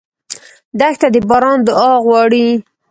دښته د باران دعا غواړي.